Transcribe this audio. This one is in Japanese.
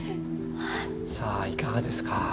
さあいかがですか？